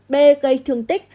b gây thương tích